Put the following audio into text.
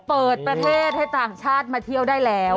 เปิดประเทศให้ต่างชาติมาเที่ยวได้แล้ว